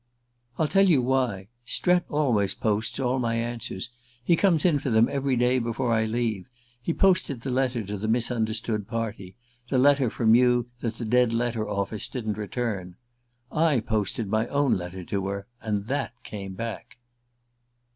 "I'll tell you why. Strett always posts all my answers. He comes in for them every day before I leave. He posted the letter to the misunderstood party the letter from you that the Dead Letter Office didn't return. I posted my own letter to her; and that came back."